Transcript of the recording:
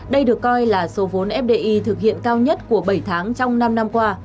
đây được coi là số vốn fdi thực hiện cao nhất của bảy tháng trong năm năm qua